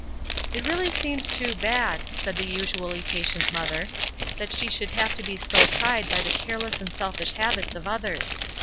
"It really seems too bad," said the usually patient mother, "that she should have to be so tried by the careless and selfish habits of others.